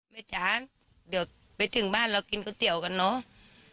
จ๊ะเดี๋ยวไปถึงบ้านเรากินก๋วยเตี๋ยวกันเนอะ